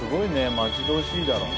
待ち遠しいだろうな。